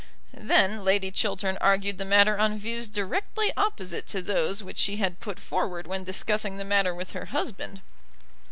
Then Lady Chiltern argued the matter on views directly opposite to those which she had put forward when discussing the matter with her husband.